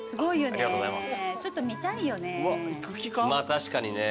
ありがとうございます。